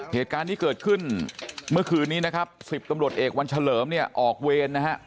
เหตุการณ์นี้เกิดขึ้นเมื่อคืนนี้นะครับ๑๐ตำรวจเอกวันเฉลิมเนี่ยออกเวรนะฮะ